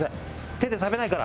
「手で食べないから」。